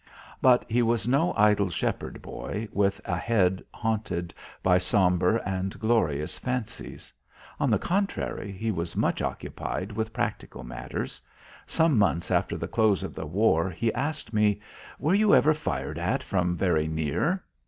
But he was no idle shepherd boy with a head haunted by sombre and glorious fancies. On the contrary, he was much occupied with practical matters. Some months after the close of the war, he asked me: "Were you ever fired at from very near?"